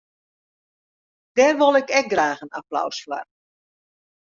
Dêr wol ik ek graach in applaus foar.